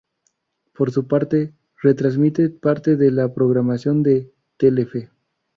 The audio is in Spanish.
Por su parte retransmite parte de la programación de Telefe.